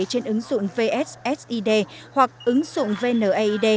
trên ứng dụng vssid hoặc ứng dụng vneid